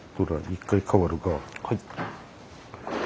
はい。